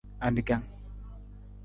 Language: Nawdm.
Aningkang.